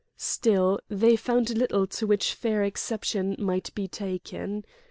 Still, they found little to which fair exception might be taken.